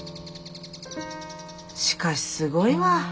しかしすごいわ。